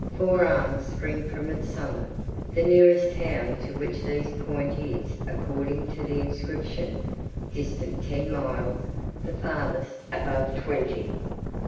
Four arms spring from its summit: the nearest town to which these point is, according to the inscription, distant ten miles; the farthest, above twenty.